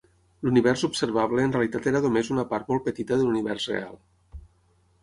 L'univers observable en realitat era només una part molt petita de l'univers real.